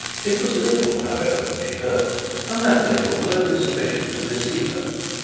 It was little, however, that she heard, and that little was only sufficient to deceive her.